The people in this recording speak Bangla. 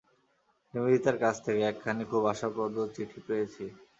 নিবেদিতার কাছ থেকে একখানি খুব আশাপ্রদ চিঠি পেয়েছি।